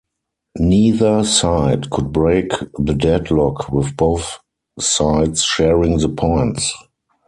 Neither side could break the deadlock with both sides sharing the points.